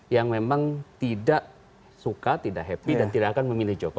yang memang tidak suka tidak happy dan tidak akan memilih jokowi